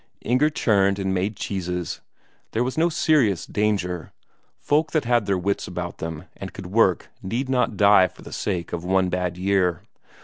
Inger churned and made cheeses; there was no serious danger; folk that had their wits about them and could work need not die for the sake of one bad year.